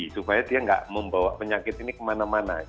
supaya dia nggak membawa penyakit ini kemana mana